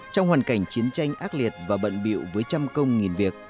trong hoàn cảnh chiến tranh ác liệt và bận biệu với trăm công nghìn việc